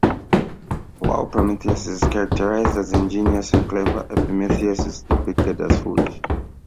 While Prometheus is characterized as ingenious and clever, Epimetheus is depicted as foolish.